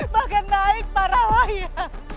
bahkan naik para layak